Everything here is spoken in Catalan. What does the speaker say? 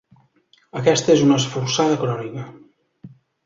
Aquesta és una esforçada crònica.